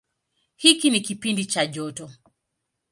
Hiki ni kipindi cha joto.